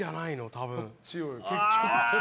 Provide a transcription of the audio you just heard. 多分。